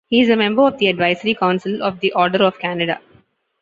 He is a member of the Advisory Council of the Order of Canada.